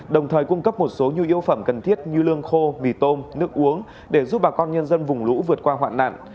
đồng thời cung cấp một số nhu yếu phẩm cần thiết như lương khô mì tôm nước uống để giúp bà con nhân dân vùng lũ vượt qua hoạn nạn